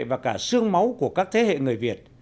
và cả xương máu của các thế hệ người việt